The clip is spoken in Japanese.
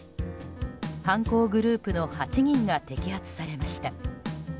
犯行グループの８人が摘発されました。